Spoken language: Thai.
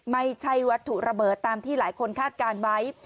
ไม่ใช่วัตถุระเบิดตามที่หลายคนคาดการณ์ไว้